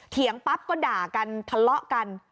ปั๊บก็ด่ากันทะเลาะกัน